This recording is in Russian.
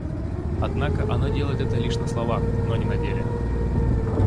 Однако оно делает это лишь на словах, но не на деле.